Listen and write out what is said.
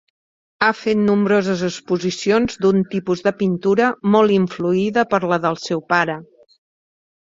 Ha fet nombroses exposicions d'un tipus de pintura molt influïda per la del seu pare.